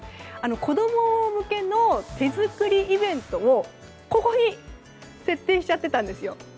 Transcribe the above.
子供向けの手作りイベントを１９日に設定していたんです。